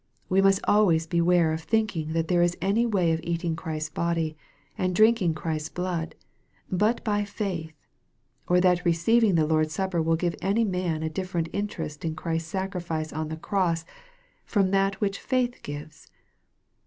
We must always beware of thinking that there is any way of eating Christ's body, and drink ing Christ's blood, but by faith or that receiving the Lord's supper will give any man a different interest in Christ's sacrifice on the cross from that which faith gives.